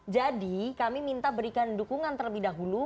jadi kami minta berikan dukungan terlebih dahulu